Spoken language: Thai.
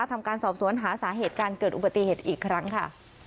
ทำการสอบสวนหาสาเหตุการเกิดอุบัติเหตุอีกครั้งค่ะ